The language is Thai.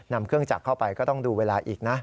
นำเครื่องจักรเข้าไปก็ต้องดูเวลาอีกนะ